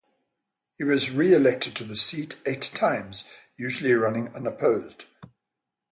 He was reelected to the seat eight times, usually running unopposed.